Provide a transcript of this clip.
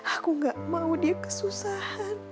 aku gak mau dia kesusahan